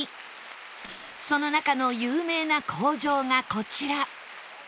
その中の有名な口上がこちら